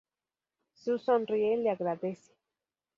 Sue sonríe y le agradece.